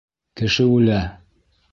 Кеше үлә!